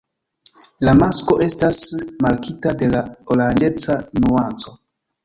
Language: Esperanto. La masko estas markita de la oranĝeca nuanco.